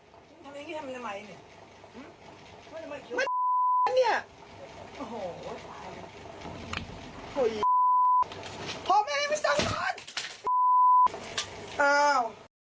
ทำแบบนี้ทำทำไมเนี่ย